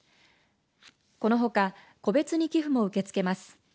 このほか個別に寄付も受け付けます。